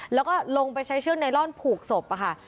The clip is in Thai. แล้วก็ลงไปใช้เชือกไนลอนผูกศพค่ะ